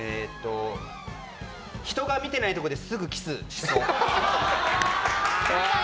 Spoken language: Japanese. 人が見てないところですぐキスしそう！